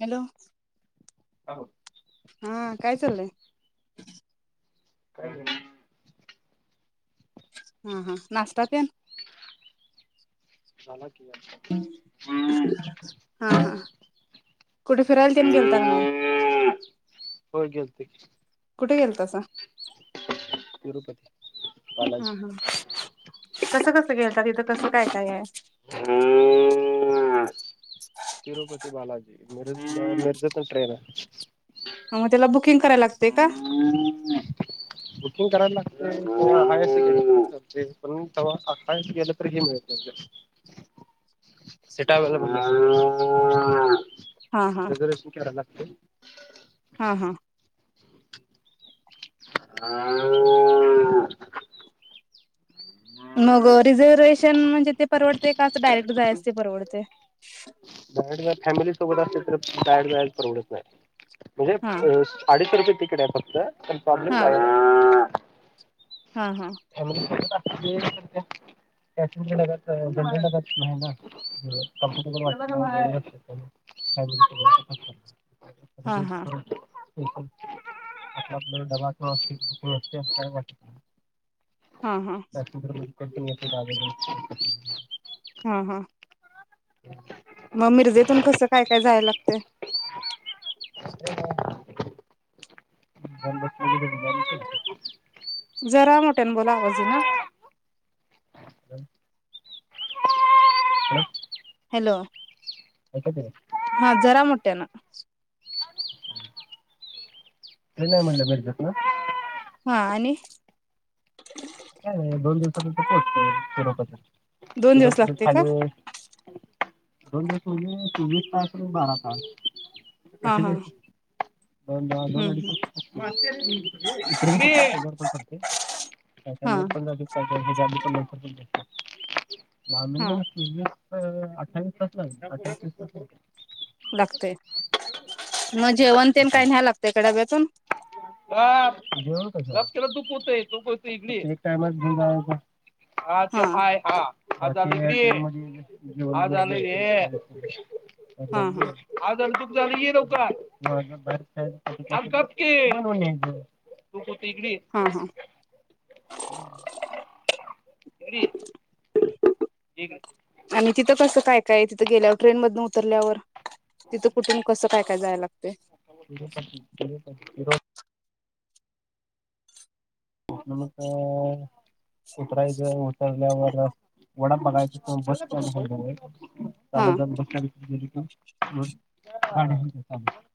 Hello hello हा काय चाललंय काय नाही हा हा नाश्ता तेन झाला की हा कुठे फिरायला तेन गेलता का नाही? ठीक कुठे गेलतसा तिरुपती हा बालाजी हा कसं कसं गेलतात तिथं कसं काय काय आहे तिरुपती बालाजी मिरज मिरजतन ट्रेन आहे. मग त्याला बुकिंग करायला लागते का? बुकिंग करायला लागतय खरं हाय अस गेलं तरी पन चालतय पन तवा अस गेलं कि हे मिळतंय सीटा मिळत नाही. हा हा रिझर्वेशन करायला लागतय. हा हा अ मग रिझर्वेशन म्हणजे ते परवडते का अस डायरेक्ट जायच ते परवडतय बाहेर फॅमिली सोबत असल तर बाहेर जायला परवडत नाही. म्हणजे हा अ साडीच रुपये तिकडे फक्त प्रोब्लेम हा हा हा फॅमिली सोबत नाही क हा हा कर [inaudible] हा हा कत मोठ आग घ हा हा हम मग मिर्जेतून कसं काय काय जाय लागते अ ब जरा मोठ्यान बोला आवाज ये ना हम हॅलो हा जरा मोठ्या ना का नाही म्हणलं भेरजत ना हा आणि का नाही दोन दिवसानंत पोहोचतेो युरोपात दोन दिवस युरोप लागते का खाली दज चोवीस तास आणि बारा तास हा हा ठी दन हम्म दोन अडी पते त हा श व म हा अठ्ठावीस तास ला अठ्ठास तास लागतय मग जेवण तेल काही नाही्या लागत इकडाब्यातून का केला दुप होतय तूप होत इक टायम हा ते हय हा हता ह अ हा हा आ तु जाे रवका आ क ते म्ह तकडीडी हा हा आणि तिथं पस. काय काय आहे तिथं गेल्यावर ट्रेनमधून उतरल्यावर. तिथं कुठून कसं काय काय जाय लागते. इकडे. म उतरायचं उतरल्यावर वडाप बघायच बस. हा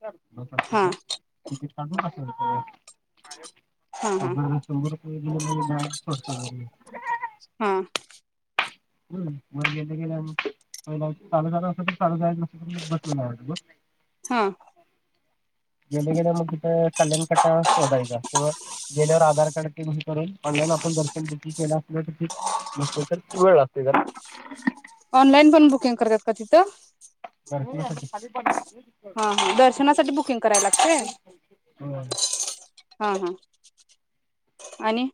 [unintelligible] [unintelligible] हा. [unintelligible] [unintelligible] [unintelligible] मान हा हा सोडते घरी. हा हं म गेले गेले पहिल चालू झालं असते का चालू. बसली ना की बसली. हा गेल्या गेल्या मग तिथं कल्याण कटा शोधायचा क गेल्यावर आधार कार्ड ते करून ऑनलाईन आपण दर्शन बुकिंग केलं असल्या तर ठीक नसेल तर वेळ लागतो. निघाला. ऑनलाईन पण बुकिंग करतात का तिथं? करता येतं की. [inaudible] हा हा दर्शनासाठी बुकिंग करायला लागतंय होय. हा हा आणि?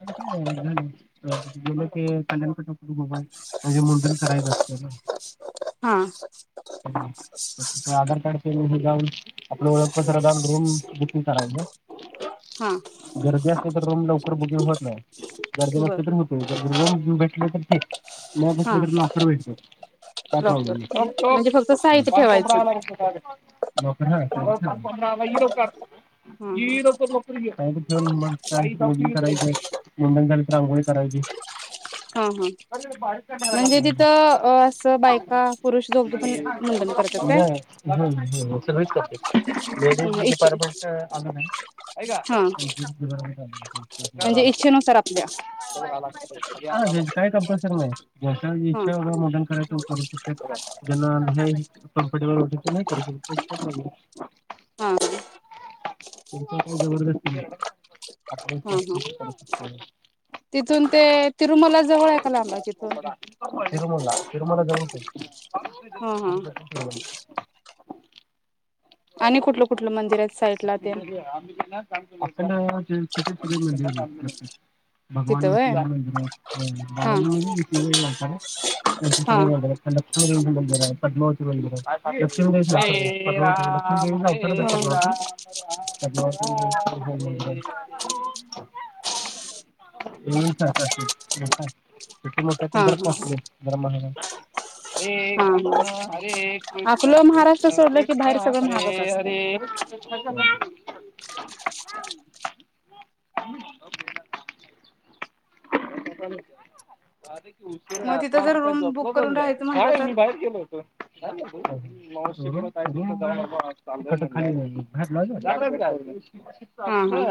आणि काय नाय मग झालं की तिथं गेलं की कल्याण कटाव मोबाईल. म्हणजे मुंडन करायचं असत ना? हा हं मग तिथं आधार कार्ड केल की. तिथं जाऊन आपलं ओळखपत्र दाऊन रूम बुकिंग करायच्या. हां. नाहीतर रूम लवकर बुकिंग होत नाही. गार्गे बर बसले तर म्हैसूर येत्या दुर्गा मधून बसले तर? [unintelligible] लॉक हा म्हटलं तर लॉकर भेटत काय लॉकर प्रोब्लेम नाही. म्हणजे फक्त पण साहित्य पाणकोंबडा ठेवायचं आला. पाणकोंबडा आला व्हिडिओ काढ. [unintelligible] हा हा व्हय मग लय झाली त रांगोळी काढायची. हम्म हम्म म्हणजे नाही तिथं असं बायका पुरुष दोघे पण मुंडन करतात [unintelligible] सगळीच करते लेडीज काय इच्छे डिपार्टमेंट आलं नाही हा म्हणजे इच्छेनुसार आपल्या [unintelligible] हा [unintelligible] [unintelligible] हा [unintelligible] [unintelligible] आपली हा इच्छा हा असती तिथून ते तिरुमला जवळ आहे का लांब आहे तिथून [unintelligible] तिरुमला तिरुमला [unintelligible] हा हा तिरुपती-तिरूमला. [unintelligible] आणि कुठलं कुठलं मंदिर आहेत साईडला तेन [unintelligible] भगवान तिथं व्हय विष्णू च मंदिर हाय हा बालाजी हा [unintelligible] लक्ष्मी देवीच मंदिर हाय पद्मवती मंदिर आय. आत दक्षिण साईडला [unintelligible] [unintelligible] [unintelligible] पद्मावती. हा [unintelligible] किती मोठ आहे पण हा जरा कॉस्टली आहे. हा हा आपलं महाराष्ट्र सोडलं की बाहेर [unintelligible] सगळं महागच हरे असतंय हरे. [unintelligible] [unintelligible] मग उशीरा तिथं जर [unintelligible] रूम झोपला बुक होतास करून काय? राहायचं म्हटलं नाय मी तर बाहेर गेलो होतो. हा हा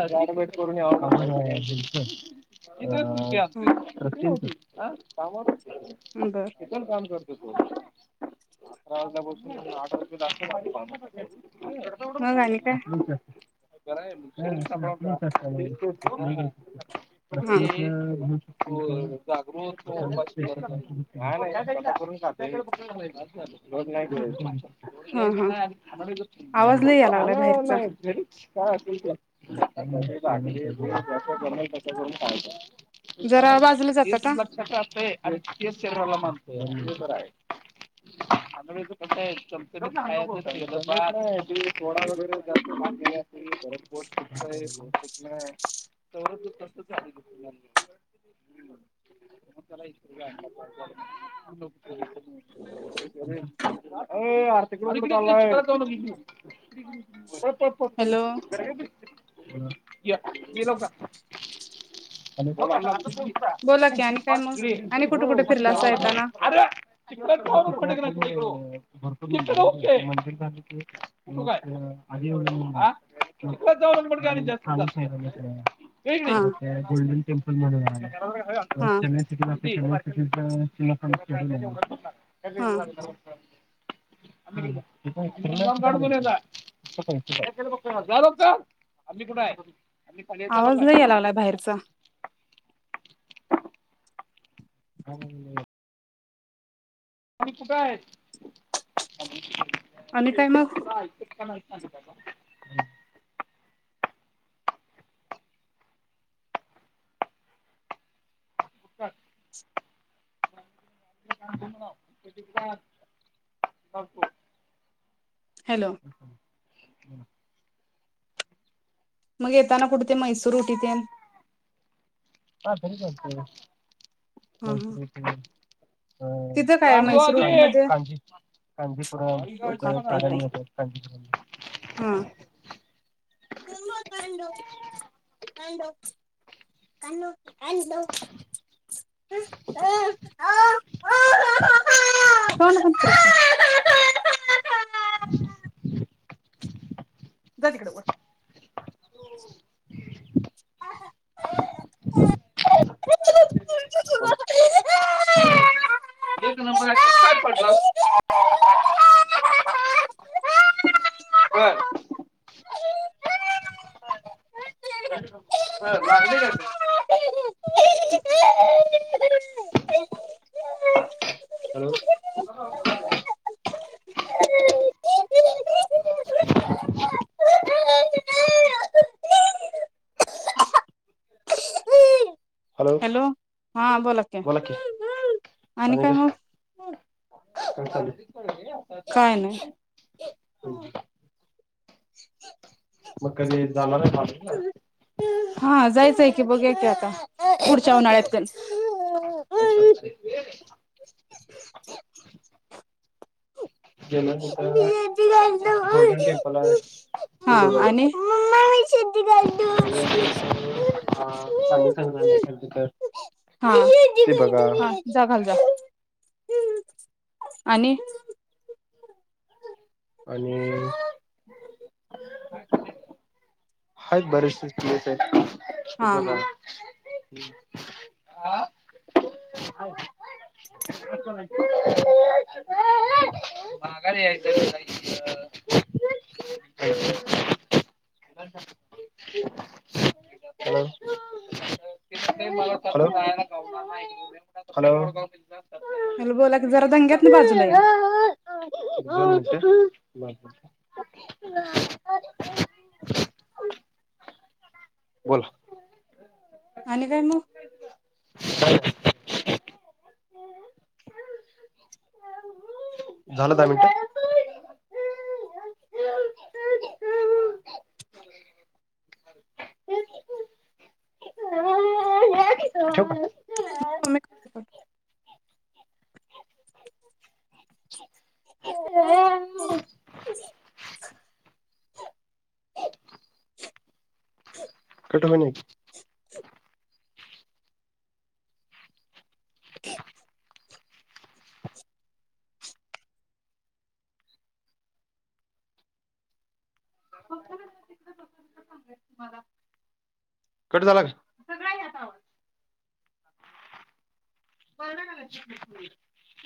[unintelligible] [unintelligible] [unintelligible] हा [unintelligible] आ कामावर. इथून बर काम कर [unintelligible] अकरा वाजल्यापासून आठ मग आणि [unintelligible] काय [unintelligible] बराय मग काय [unintelligible] हा [unintelligible] [unintelligible] जागृत [unintelligible] हा काय हा आवाज माहीत लय यायला लागलाय बाहेरचा [unintelligible] [unintelligible] [unintelligible] [unintelligible] जरा बाजूला जाता तेच का लक्षात राहतय आणि तेच शरीराला मानतय ते तर आहे [unintelligible] [unintelligible] [unintelligible] हॅलो [unintelligible] य य लवकर आणि को [unintelligible] बोला की आणि काय मग आणि कुठे कुठे फिरलासा येताना [unintelligible] भपू का आळ जा एक हा नाही गोल्डन टेम्पल म्हणून ह हा चि एलला हा काढ जा बघ का आम्ही कुठे आहे आवाज नाही याय लागला बाहेरचा ह आणि तू काय आहे च आणि काय अ मग हॅलो हा हम् मगताना कु ते मैसूर उटी ते हला तिथं काय मैसूर उटी मध्ये ै डोक आपटायच आहे अ हा कांजपुरापु डो गध कडव बोला एक नंबर स काय पडला अस बर अ लागली काय ते हॅलो हॅलो हां, बोला की आणि काय मग काय काय नाही चाललं [inaudible] मग कधी जाणार आहे बाहेरला? हा जायचं आहे की, बघू या कि, आता पुढच्या उन्हाळ्यात पण. सांचे [inaudible] [inaudible] गेलं तिथं गोल्डन टेम्पल आहे [inaudible] ते हा बघा आणि [inaudible] गोल्डन टेम्पल हा प्राणी संग्रहालय आहे तिथं हा, ते बघा जा घाल जा. हम आणि. आणि हाय बरेचसे हा [inaudible] हा बला [inaudible] हा, मगारी यायच व्हय. हलो-हलो ह्याला बोला की, जरा दंग्यातन बाजूला या. [inaudible] बोला आणि काय मग काय झालं दहा मिनिटं. [inaudible] [inaudible] [unintelligible] कट [inaudible] [inaudible] कट झाला का?